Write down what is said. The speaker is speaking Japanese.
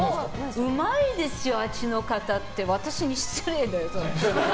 うまいですよ、あっちの方って私に失礼だよ。